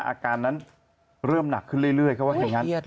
อาการนั้นเริ่มหนักขึ้นเรื่อยเขาว่าอย่างนั้น